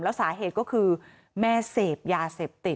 แล้วสาเหตุก็คือแม่เสพยาเสพติด